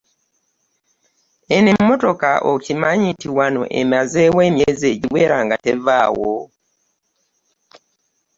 Eno emmotoka okimanyi nti wano emazeewo emyezi egiwera nga tevaawo.